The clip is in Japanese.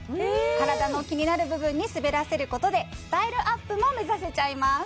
体の気になる部分に滑らせることでスタイルアップも目指せちゃいます